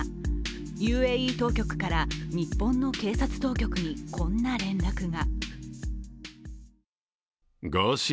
ＵＡＥ当局から日本の警察当局にこんな連絡が。